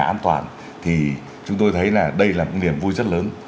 nhà an toàn thì chúng tôi thấy là đây là niềm vui rất lớn